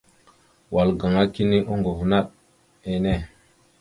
Wal gaŋa kini oŋgov naɗ enne.